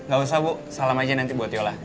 gak usah bu salam aja nanti buat yola